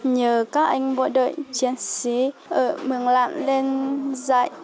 nhờ các anh bộ đội chiến sĩ ở mường lạm lên dạy